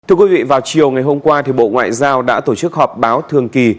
thưa quý vị vào chiều ngày hôm qua bộ ngoại giao đã tổ chức họp báo thường kỳ